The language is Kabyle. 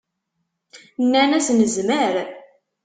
Nnan-as: Nezmer.